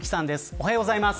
おはようございます。